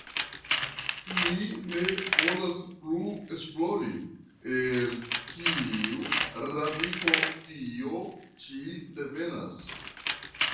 Ni ne volas plu esplori, el kiu radiko tio ĉi devenas.